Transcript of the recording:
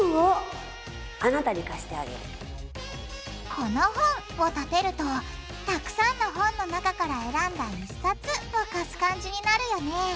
でも「この本」をたてるとたくさんの本の中から選んだ１冊を貸す感じになるよね